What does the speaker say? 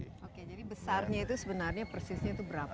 pembicara lima puluh dua oke jadi besarnya itu sebenarnya persisnya itu berapa